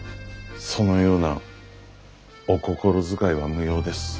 そのようなお心遣いは無用です。